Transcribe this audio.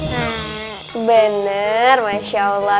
hah bener masya allah